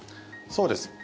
そうです。